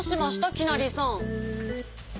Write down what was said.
きなりさん。